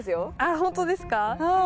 本当ですか？